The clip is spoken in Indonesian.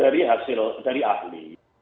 dari hasil dari ahli